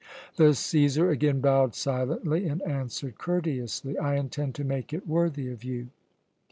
The Cæsar again bowed silently and answered courteously: "I intend to make it worthy of you."